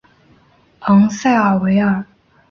昂塞尔维尔。